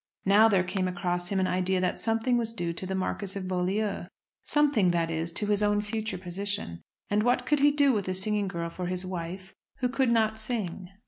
Now there came across him an idea that something was due to the Marquis of Beaulieu, something, that is, to his own future position; and what could he do with a singing girl for his wife who could not sing?